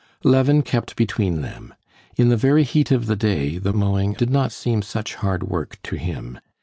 Levin kept between them. In the very heat of the day the mowing did not seem such hard work to him.